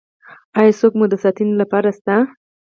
ایا څوک مو د ساتنې لپاره شته؟